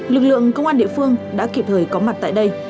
lực lượng công an địa phương đã kịp thời có mặt tại đây